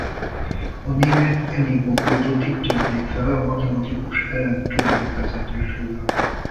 A német Enigma kódot itt törték fel a matematikus Alan Turing vezetésével.